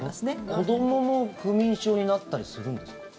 子どもも不眠症になったりするんですか？